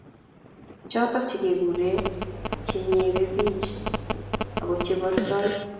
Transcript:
Choto che kekekure chenyere bich ak chebortoi